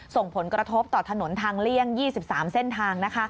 ส่งผลกระทบต่อถนนทางเลี่ยง๒๓เส้นทาง